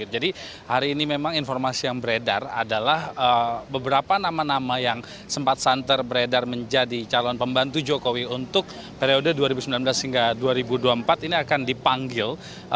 jadi hari ini memang informasi yang beredar adalah beberapa nama nama yang sempat santer beredar menjadi calon pembantu jokowi untuk periode dua ribu sembilan belas hingga dua ribu dua puluh empat ini akan dipanggil